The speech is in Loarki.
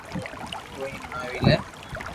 تو ھي ھڻاو وي لي